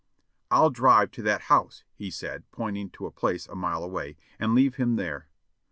"I'll drive to that house," he said, pointing to a place a mile away, "and leave him there."